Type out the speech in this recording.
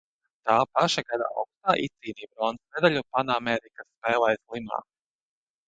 Tā paša gada augustā izcīnīja bronzas medaļu Panamerikas spēlēs Limā.